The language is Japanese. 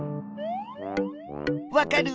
わかる？